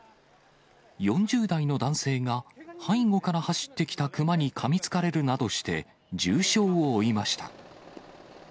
４０代の男性が、背後から走ってきたクマにかみつかれるなどして、重傷を負いました。